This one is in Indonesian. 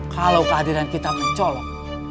kalau kehadiran kita mencolok